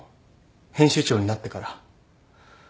編集長になってから？